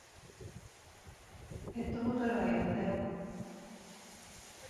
ペットボトルはやめたよ。